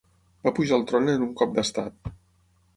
Va pujar al tron en un cop d'estat.